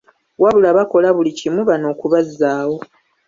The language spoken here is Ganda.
Wabula bakola buli kimu bano okubazzaawo.